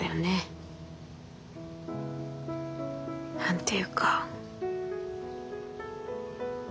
何て言うか。